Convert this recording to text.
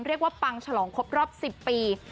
เรียกว่าปังฉลองครบรอบ๑๐ปี